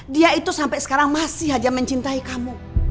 dia itu sampai sekarang masih saja mencintai kamu